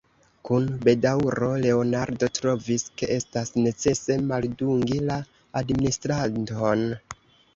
Kun bedaŭro Leonardo trovis, ke estas necese maldungi la administranton.